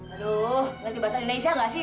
aduh nanti bahasa indonesia gak sih